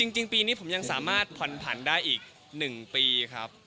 จริงปีนี้ผมยังสามารถผ่อนผันได้อีก๑ปีครับ